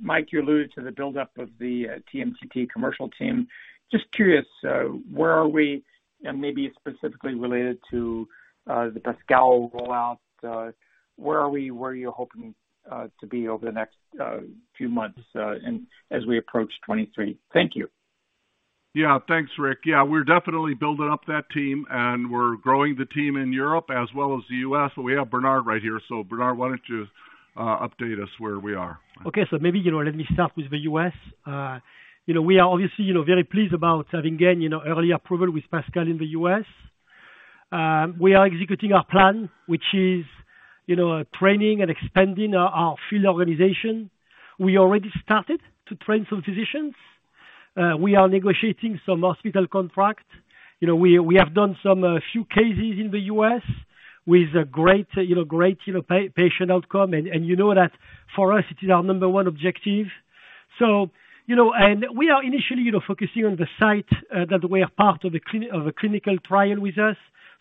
Mike, you alluded to the buildup of the TMTT commercial team. Just curious, where are we? Maybe specifically related to the PASCAL rollout, where are we? Where are you hoping to be over the next few months, and as we approach 2023? Thank you. Yeah. Thanks, Rick. Yeah, we're definitely building up that team, and we're growing the team in Europe as well as the U.S. We have Bernard right here. Bernard, why don't you update us where we are? Okay. Maybe, you know, let me start with the U.S. You know, we are obviously, you know, very pleased about having gained, you know, early approval with PASCAL in the U.S. We are executing our plan, which is, you know, training and expanding our field organization. We already started to train some physicians. We are negotiating some hospital contract. You know, we have done a few cases in the U.S. with great, you know, patient outcome. You know that for us, it is our number one objective. We are initially, you know, focusing on the site that were part of a clinical trial with us.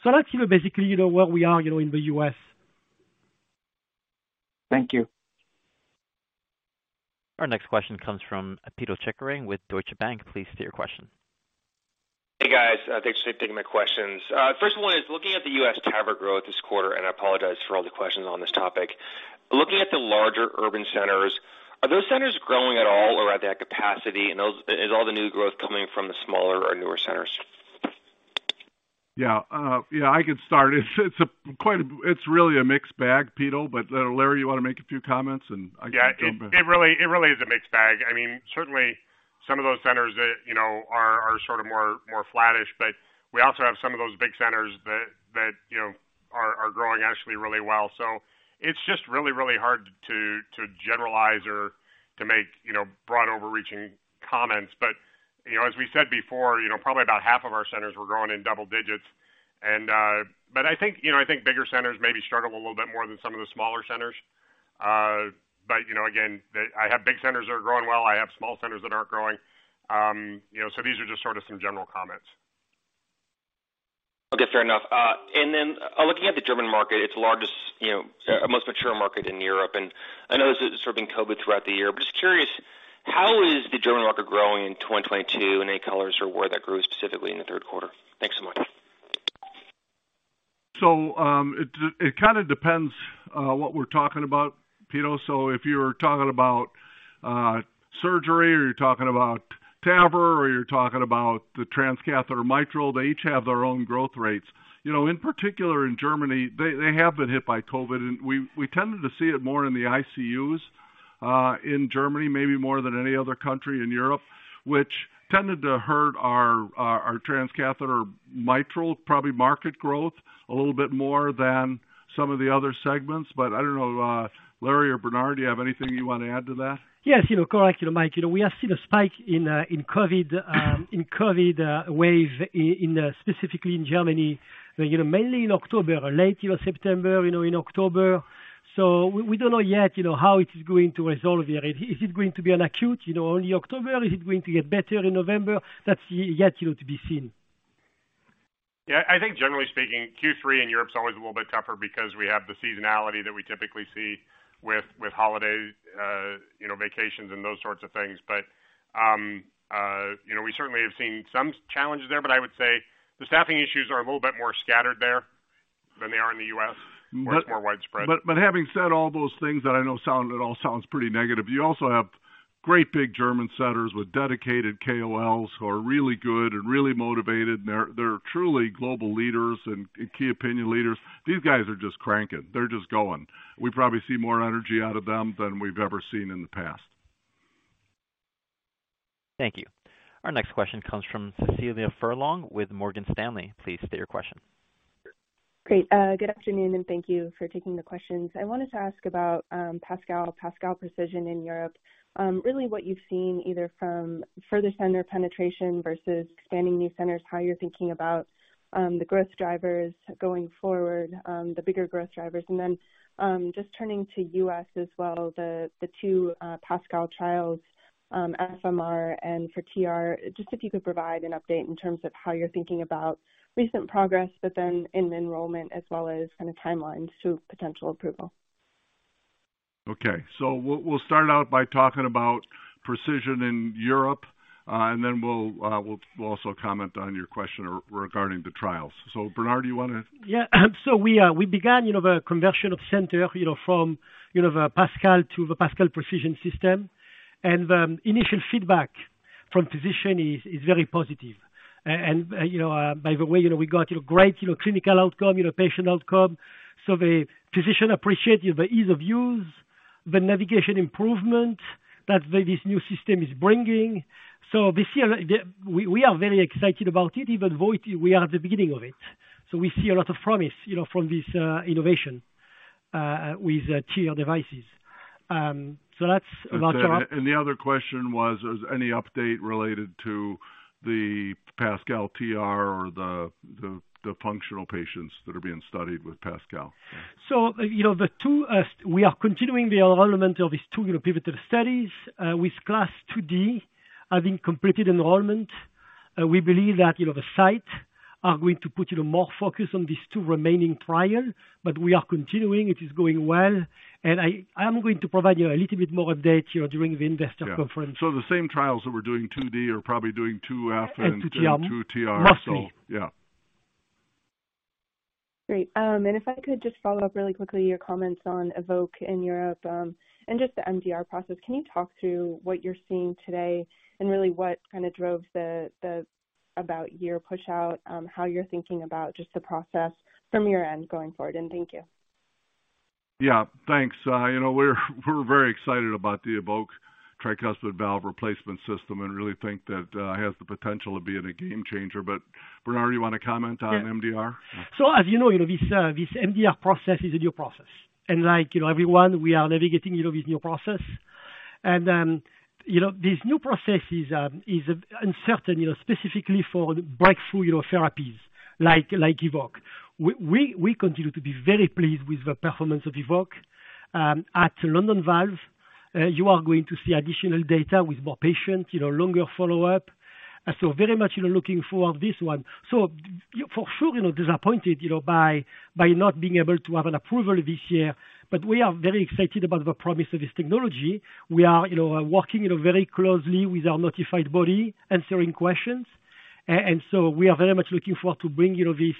That's, you know, basically, you know, where we are, you know, in the U.S. Thank you. Our next question comes from Peter Chickering with Deutsche Bank. Please state your question. Hey, guys. Thanks for taking my questions. First one is looking at the U.S. TAVR growth this quarter, and I apologize for all the questions on this topic. Looking at the larger urban centers, are those centers growing at all, or are they at capacity? Is all the new growth coming from the smaller or newer centers? Yeah, I can start. It's really a mixed bag, Peter, but Larry, you wanna make a few comments, and I can jump in. Yeah. It really is a mixed bag. I mean, certainly some of those centers that you know are sort of more flattish, but we also have some of those big centers that you know are growing actually really well. It's just really hard to generalize or to make you know broad overreaching comments. You know, as we said before, you know, probably about half of our centers were growing in double-digits. But I think you know bigger centers maybe struggle a little bit more than some of the smaller centers. But you know again I have big centers that are growing well, I have small centers that aren't growing. You know, so these are just sort of some general comments. Okay. Fair enough. Looking at the German market, it's the largest, you know, most mature market in Europe, and I know this has sort of been COVID throughout the year, but just curious, how is the German market growing in 2022, and any colors or where that grew specifically in the third quarter? Thanks so much. It kinda depends what we're talking about, Peter. If you're talking about surgery or you're talking about TAVR or you're talking about the transcatheter mitral, they each have their own growth rates. You know, in particular in Germany, they have been hit by COVID, and we tended to see it more in the ICUs in Germany, maybe more than any other country in Europe, which tended to hurt our transcatheter mitral, probably market growth a little bit more than some of the other segments. I don't know. Larry or Bernard, do you have anything you want to add to that? Yes, you know, correct. You know, Mike, you know, we have seen a spike in COVID wave in, specifically in Germany, you know, mainly in October or late September, you know, in October. We don't know yet, you know, how it is going to resolve yet. Is it going to be an acute, you know, only October? Is it going to get better in November? That's yet, you know, to be seen. Yeah. I think generally speaking, Q3 in Europe is always a little bit tougher because we have the seasonality that we typically see with holidays, you know, vacations and those sorts of things. We certainly have seen some challenges there, but I would say the staffing issues are a little bit more scattered there than they are in the U.S., where it's more widespread. Having said all those things that I know, it all sounds pretty negative, you also have great big German centers with dedicated KOLs who are really good and really motivated, and they're truly global leaders and key opinion leaders. These guys are just cranking. They're just going. We probably see more energy out of them than we've ever seen in the past. Thank you. Our next question comes from Cecilia Furlong with Morgan Stanley. Please state your question. Great. Good afternoon, and thank you for taking the questions. I wanted to ask about PASCAL Precision in Europe. Really what you've seen either from further center penetration versus expanding new centers, how you're thinking about the growth drivers going forward, the bigger growth drivers. Just turning to U.S. as well, the two PASCAL trials, FMR and for TR, just if you could provide an update in terms of how you're thinking about recent progress, but then in enrollment as well as kinda timelines to potential approval. We'll start out by talking about Precision in Europe, and then we'll also comment on your question regarding the trials. Bernard, do you wanna-- Yeah. We began, you know, the conversion of centers, you know, from, you know, the PASCAL to the PASCAL Precision system. The initial feedback from physician is very positive. By the way, you know, we got, you know, great, you know, clinical outcome, you know, patient outcome. The physician appreciate, you know, the ease of use, the navigation improvement that this new system is bringing. This year we are very excited about it, even though we are at the beginning of it. We see a lot of promise, you know, from this innovation with TR devices. That's about-- Okay. The other question was, is any update related to the PASCAL TR or the functional patients that are being studied with PASCAL? You know, we are continuing the enrollment of these two pivotal studies, with CLASP IID having completed enrollment. We believe that, you know, the sites are going to put, you know, more focus on these two remaining trials, but we are continuing. It is going well, and I am going to provide you a little bit more update, you know, during the investor conference. The same trials that we're doing IID are probably doing IIF. 2 TR. 2 TR. Mostly. Yeah. Great. If I could just follow up really quickly your comments on EVOQUE in Europe, and just the MDR process. Can you talk through what you're seeing today and really what kinda drove the about year push out, how you're thinking about just the process from your end going forward? Thank you. Yeah, thanks. You know, we're very excited about the EVOQUE tricuspid valve replacement system and really think that it has the potential of being a game changer. Bernard, you wanna comment on MDR? Yeah. So as you know, this MDR process is a new process. Like, you know, everyone, we are navigating this new process. You know, this new process is uncertain, you know, specifically for breakthrough, you know, therapies like EVOQUE. We continue to be very pleased with the performance of EVOQUE. At PCR London Valves, you are going to see additional data with more patients, you know, longer follow-up. Very much looking forward to this one. For sure, you know, disappointed, you know, by not being able to have an approval this year. We are very excited about the promise of this technology. We are, you know, working, you know, very closely with our notified body, answering questions. We are very much looking forward to bring, you know, this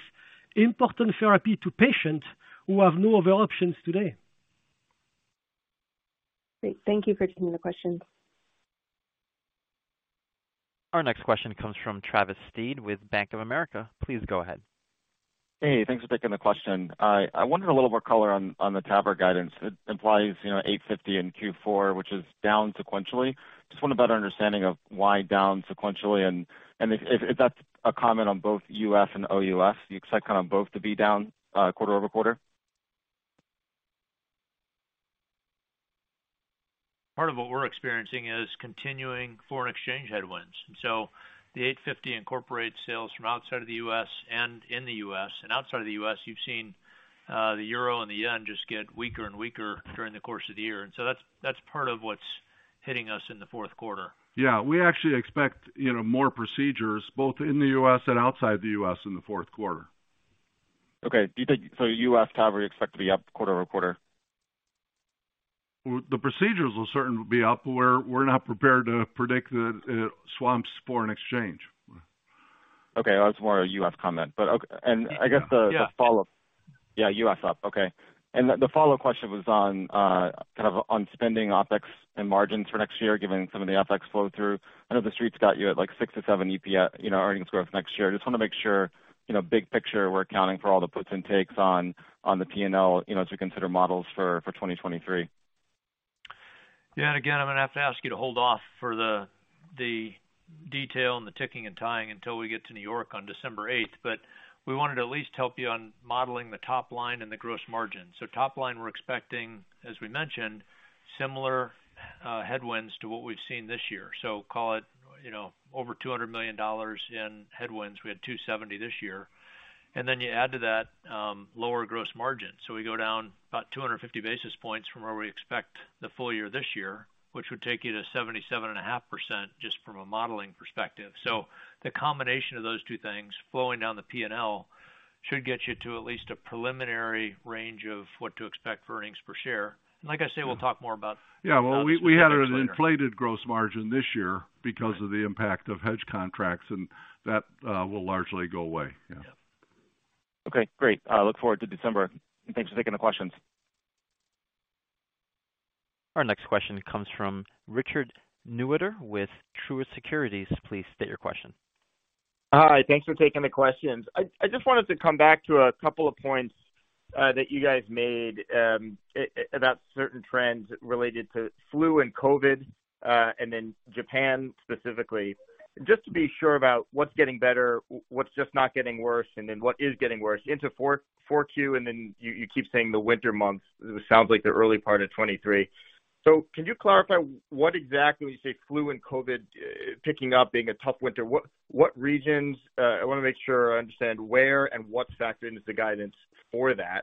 important therapy to patients who have no other options today. Great. Thank you for taking the question. Our next question comes from Travis Steed with Bank of America. Please go ahead. Hey, thanks for taking the question. I wondered a little more color on the TAVR guidance. It implies, you know, $850 in Q4, which is down sequentially. Just want a better understanding of why down sequentially, and if that's a comment on both U.S. and OUS, you expect kind of both to be down quarter-over-quarter. Part of what we're experiencing is continuing foreign exchange headwinds. The $850 incorporates sales from outside of the U.S. and in the U.S. Outside of the U.S., you've seen the Euro and the Yen just get weaker and weaker during the course of the year. That's part of what's hitting us in the fourth quarter. Yeah. We actually expect, you know, more procedures both in the U.S. and outside the U.S. in the fourth quarter. Okay. Do you think US TAVR you expect to be up quarter-over-quarter? Well, the procedures will certainly be up, but we're not prepared to predict the foreign exchange. Okay. That was more a U.S. comment, but okay. Yeah. The follow-up. Yeah, U.S. up. Okay. The follow-up question was on, kind of on spending OpEx and margins for next year, given some of the FX flow through. I know the street's got you at like 6%-7% EPS, you know, earnings growth next year. Just wanna make sure, you know, big picture, we're accounting for all the puts and takes on the P&L, you know, to consider models for 2023. Yeah. Again, I'm gonna have to ask you to hold off for the detail and the ticking and tying until we get to New York on December 8th. We wanted to at least help you on modeling the top line and the gross margin. Top line we're expecting, as we mentioned, similar headwinds to what we've seen this year. Call it, you know, over $200 million in headwinds. We had $270 million this year. Then you add to that, lower gross margin. We go down about 250 basis points from where we expect the full year this year, which would take you to 77.5% just from a modeling perspective. The combination of those two things flowing down the P&L should get you to at least a preliminary range of what to expect for earnings per share. Like I say, we'll talk more about. Yeah. Well, we had an inflated gross margin this year because of the impact of hedge contracts, and that will largely go away. Yeah. Yeah. Okay, great. Look forward to December. Thanks for taking the questions. Our next question comes from Richard Newitter with Truist Securities. Please state your question. Hi, thanks for taking the questions. I just wanted to come back to a couple of points that you guys made about certain trends related to flu and COVID, and then Japan specifically. Just to be sure about what's getting better, what's just not getting worse, and then what is getting worse into Q4, and then you keep saying the winter months. It sounds like the early part of 2023. So can you clarify what exactly you say flu and COVID picking up being a tough winter? What regions? I wanna make sure I understand where and what's factored into the guidance for that.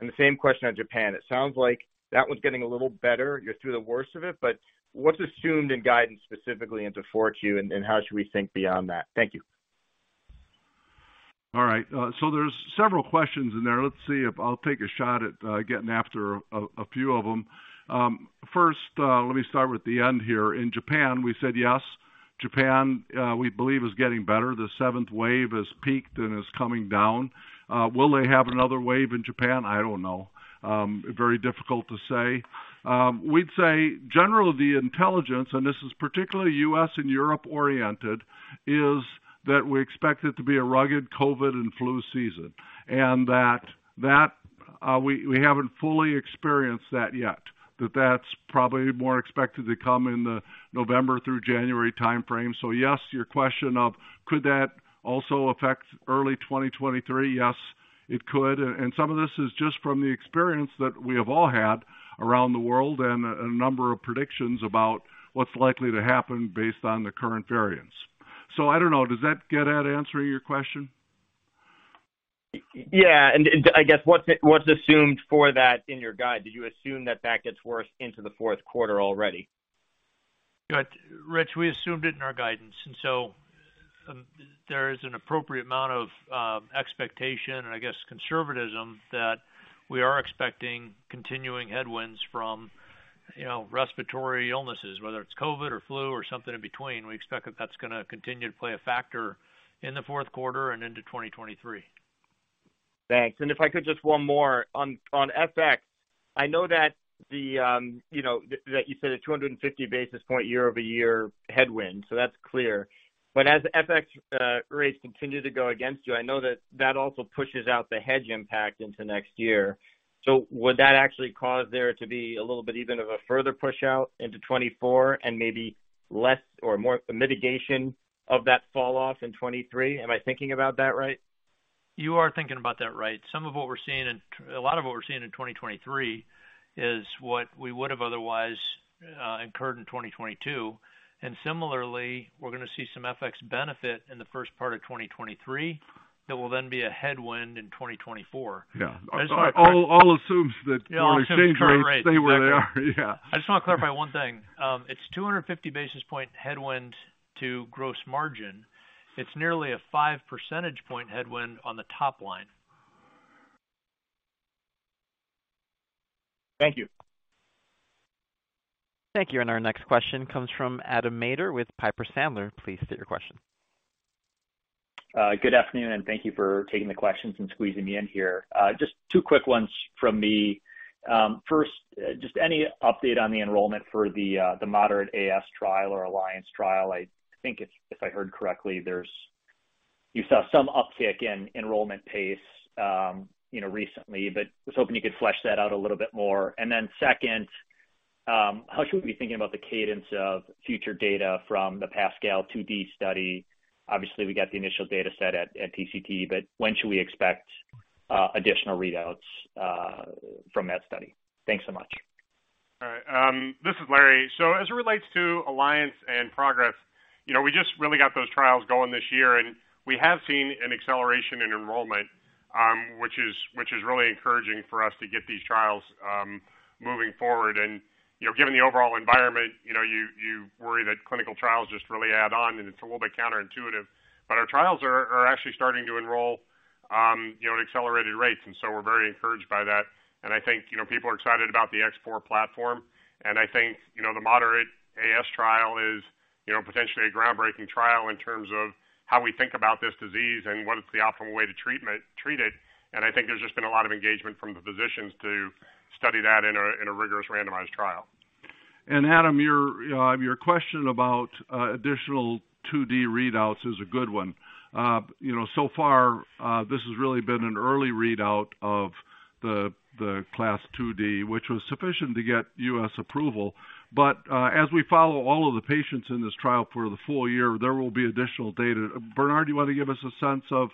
The same question on Japan. It sounds like that one's getting a little better. You're through the worst of it, but what's assumed in guidance, specifically into Q4, and how should we think beyond that? Thank you. All right. So there's several questions in there. Let's see if I'll take a shot at getting after a few of them. First, let me start with the end here. In Japan, we said, yes, Japan, we believe is getting better. The seventh wave has peaked and is coming down. Will they have another wave in Japan? I don't know. Very difficult to say. We'd say generally the intelligence, and this is particularly U.S. and Europe oriented, is that we expect it to be a rugged COVID and flu season, and that we haven't fully experienced that yet, but that's probably more expected to come in the November through January timeframe. Yes, your question of could that also affect early 2023? Yes, it could. Some of this is just from the experience that we have all had around the world and a number of predictions about what's likely to happen based on the current variants. I don't know. Does that get at answering your question? Yeah. I guess what's assumed for that in your guide? Did you assume that gets worse into the fourth quarter already? Good. Rich, we assumed it in our guidance. There is an appropriate amount of expectation and I guess conservatism that we are expecting continuing headwinds from, you know, respiratory illnesses, whether it's COVID or flu or something in between. We expect that that's gonna continue to play a factor in the fourth quarter and into 2023. Thanks. If I could just one more on FX. I know that you know that you said a 250 basis point year-over-year headwind, so that's clear. As FX rates continue to go against you, I know that also pushes out the hedge impact into next year. Would that actually cause there to be a little bit even of a further push out into 2024 and maybe less or more mitigation of that fall off in 2023? Am I thinking about that right? You are thinking about that right. A lot of what we're seeing in 2023 is what we would have otherwise incurred in 2022. Similarly, we're gonna see some FX benefit in the first part of 2023 that will then be a headwind in 2024. Yeah. All assumes that all exchange rates stay where they are. Yeah. I just want to clarify one thing. It's 250 basis point headwind to gross margin. It's nearly a 5 percentage point headwind on the top line. Thank you. Thank you. Our next question comes from Adam Maeder with Piper Sandler. Please state your question. Good afternoon, and thank you for taking the questions and squeezing me in here. Just two quick ones from me. First, just any update on the enrollment for the moderate AS trial or ALLIANCE trial. I think if I heard correctly, you saw some uptick in enrollment pace, you know, recently, but I was hoping you could flesh that out a little bit more. Second, how should we be thinking about the cadence of future data from the PASCAL-2D study? Obviously, we got the initial data set at TCT, but when should we expect additional readouts from that study? Thanks so much. All right. This is Larry. As it relates to ALLIANCE and PROGRESS, you know, we just really got those trials going this year, and we have seen an acceleration in enrollment, which is really encouraging for us to get these trials moving forward. You know, given the overall environment, you know, you worry that clinical trials just really add on, and it's a little bit counterintuitive. Our trials are actually starting to enroll, you know, at accelerated rates, and so we're very encouraged by that. I think, you know, people are excited about the X4 platform, and I think, you know, the moderate AS trial is, you know, potentially a groundbreaking trial in terms of how we think about this disease and what is the optimal way to treat it. I think there's just been a lot of engagement from the physicians to study that in a rigorous randomized trial. Adam Maeder, your question about additional CLASP IID readouts is a good one. You know, so far, this has really been an early readout of the CLASP IID, which was sufficient to get U.S. approval. As we follow all of the patients in this trial for the full year, there will be additional data. Bernard Zovighian, do you want to give us a sense of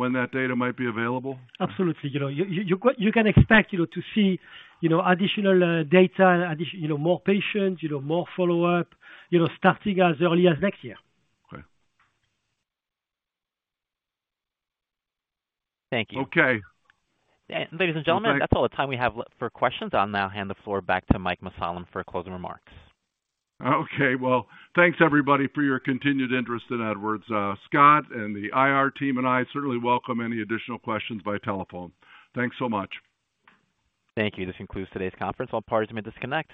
when that data might be available? Absolutely. You know, you can expect, you know, to see, you know, additional data, you know, more patients, you know, more follow-up, you know, starting as early as next year. Okay. Thank you. Okay. Ladies and gentlemen, that's all the time we have for questions. I'll now hand the floor back to Mike Mussallem for closing remarks. Okay. Well, thanks everybody for your continued interest in Edwards. Scott and the IR team and I certainly welcome any additional questions by telephone. Thanks so much. Thank you. This concludes today's conference. All parties may disconnect.